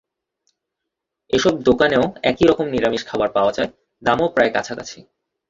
এসব দোকানেও একই রকম নিরামিষ খাবার পাওয়া যায়, দামও প্রায় কাছাকাছি।